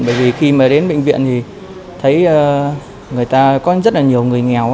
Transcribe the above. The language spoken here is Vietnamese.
bởi vì khi mà đến bệnh viện thì thấy người ta có rất là nhiều người nghèo